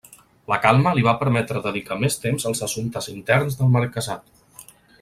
La calma li va permetre dedicar més temps als assumptes interns del marquesat.